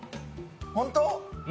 本当？